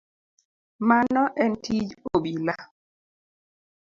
Mano en tij obila.